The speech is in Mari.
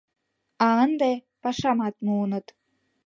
А ынде пашамат муыныт.